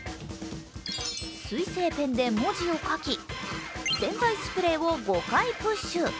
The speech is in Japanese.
水性ペンで文字を書き洗剤スプレーを５回プッシュ。